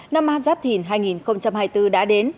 năm an giáp thìn hai nghìn hai mươi bốn đã đến